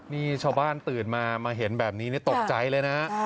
นี่ชาวบ้านตื่นมามาเห็นแบบนี้ตกใจเลยนะ